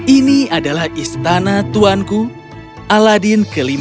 ini adalah istana tuanku aladin ke lima